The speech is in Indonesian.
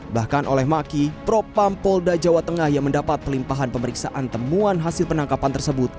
bahkan oleh maki propam polda jawa tengah yang mendapat pelimpahan pemeriksaan temuan hasil penangkapan tersebut